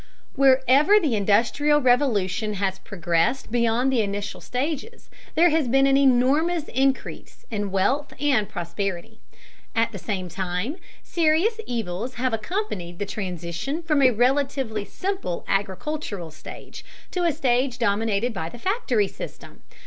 Wherever the Industrial Revolution has progressed beyond the initial stages, there has been an enormous increase in wealth and prosperity. At the same time, serious evils have accompanied the transition from a relatively simple agricultural stage to a stage dominated by the factory system.